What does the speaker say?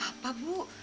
gak apa apa bu